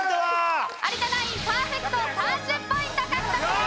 有田ナインパーフェクト３０ポイント獲得です！